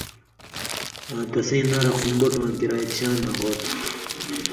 آں تسیں نرخ ہُم بُٹواں کریا اک شاناں ہوتُھو۔۔